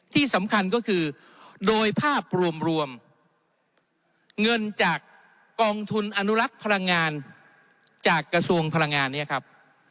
ที่สำคัญก็คือโดยภาพรวมเงินจากกองทุนอนุรักษ์พลังงานจากกระทรวงพลังงานเนี่ยครับ